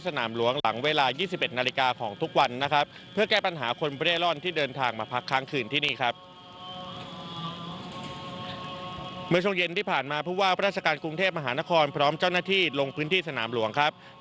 โดยผลตำรวจเอกอัศวินขวันเมืองผู้ว่าพระราชการกรุงเทพก็กลายว่า